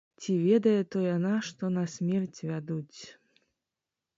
Ці ведае то яна, што на смерць вядуць?